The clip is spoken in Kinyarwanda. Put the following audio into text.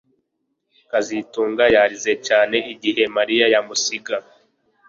kazitunga yarize cyane igihe Mariya yamusiga